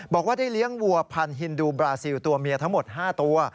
บอกว่าได้เลี้ยงวัวพันธินดูบราซิลตัวเมียทั้งหมด๕ตัว